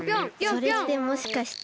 それってもしかして。